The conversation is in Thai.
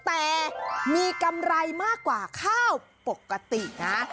แต่มีกำไรมากกว่าข้าวปกตินะ